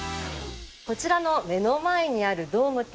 こちらの目の前にあるドームと。